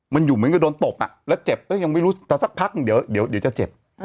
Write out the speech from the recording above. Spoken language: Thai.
มันอยู่เหมือนกับโดนตบแล้วเจ็บก็ยังไม่รู้แต่สักพักหนึ่งเดี๋ยวจะเจ็บ